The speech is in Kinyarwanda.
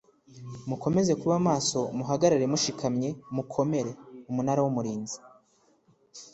Mukomeze kuba maso muhagarare mushikamye mukomere Umunara w Umurinzi